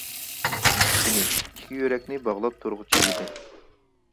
ئىشىنىش، ئىككى يۈرەكنى باغلاپ تۇرغۇچى ئىدى.